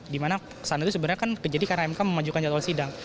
dimana kesan itu sebenarnya kan jadi karena mk memajukan jadwal sidang